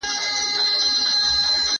هغه باید له ډاره اوږده لاره د اتڼ لپاره ووهي.